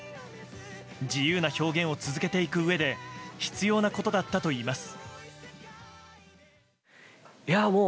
自由な表現を続けていくうえで必要なことだったといいます。